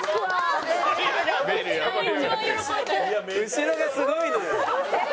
後ろがすごいのよ。